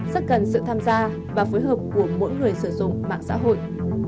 rất cần sự tham gia và phối hợp của mỗi người sử dụng mạng xã hội